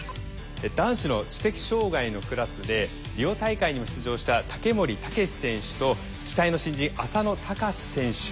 男子の知的障害のクラスでリオ大会にも出場した竹守彪選手と期待の新人浅野俊選手。